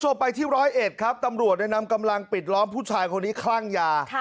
ไปที่ร้อยเอ็ดครับตำรวจนำกำลังปิดล้อมผู้ชายคนนี้คลั่งยา